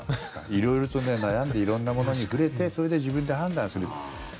色々とね、悩んで色んなものに触れてそれで自分で判断する。